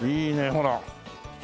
ほら。